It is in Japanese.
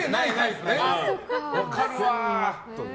分かるわ。